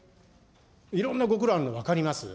いろんなご苦労あるの分かります。